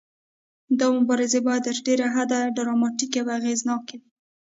دا مبارزې باید تر ډیره حده ډراماتیکې او اغیزناکې وي.